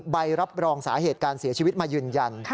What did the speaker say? ใบรับรองสาเหตุการเสียชีวิตมายืนยัน